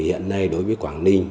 hiện nay đối với quảng ninh